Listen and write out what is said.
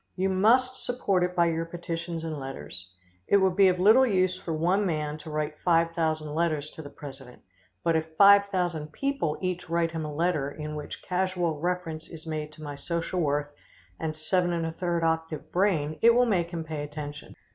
You must support it by your petitions and letters. It would be of little use for one man to write five thousand letters to the president, but if five thousand people each write him a letter in which casual reference is made to my social worth and 7 1/3 octave brain, it will make him pay attention.